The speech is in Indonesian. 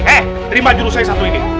hey terima jurus saya satu ini